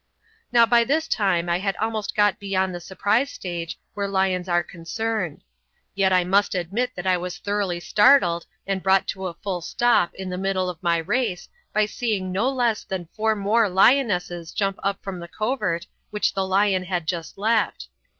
Now by this time I had almost got beyond the surprise stage where lions were concerned; yet I must admit that I was thoroughly startled and brought to a full stop in the middle of my race by seeing no less than four more lionesses jump up from the covert which the lion had just left.